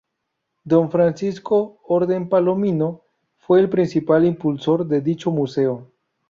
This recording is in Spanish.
Don Francisco Orden Palomino fue el principal impulsor de dicho museo.